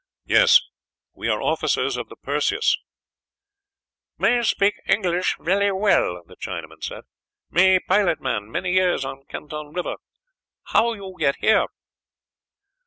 "Yes, we are officers of the Perseus." "Me speeke English velly well," the Chinaman said; "me pilot man many years on Canton River. How you get here?"